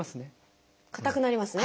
かたくなりますね。